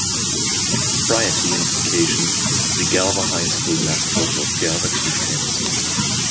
Prior to unification, the Galva High School mascot was Galva Chieftains.